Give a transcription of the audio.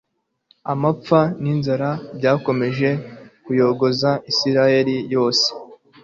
Amapfa ninzara byakomeje kuyogoza Isirayeli yose